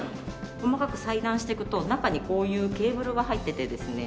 細かく裁断していくと中にこういうケーブルが入っていてですね